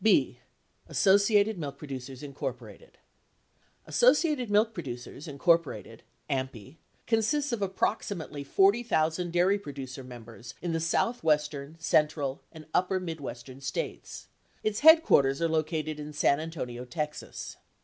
B. Associated Milk Producers, Inc. Associated Milk Producers, Inc. (AMPI) consists of approximately 40,000 dairy producer members in the southwestern, central, and upper mid western States. Its headquarters are located in San Antonio, Texas.